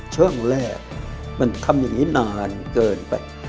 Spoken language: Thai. ช่องแรกมันทำอย่างนี้นานเกินไป